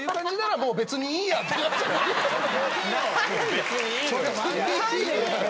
別にいいのよ。